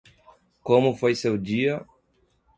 Como foi seu dia